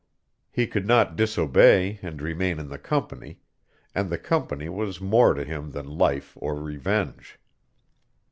He could not disobey and remain in the Company, and the Company was more to him than life or revenge.